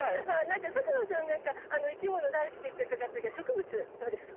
佐久間さんなんか生き物大好きって伺ってるけど植物どうですか？